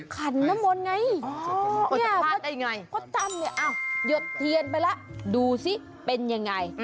ขันน้ำมนต์ไงเนี่ยพ่อจำเนี่ยอ้าวหยดเทียนไปแล้วดูสิเป็นยังไง